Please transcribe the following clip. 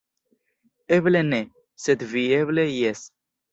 Eble ne, sed vi eble jes".